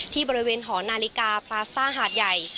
ที่บริเวณหอนาฬิกาพลาซ่าหาดใหญ่